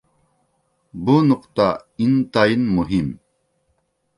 بۇ نۇقتا ئىنتايىن مۇھىم.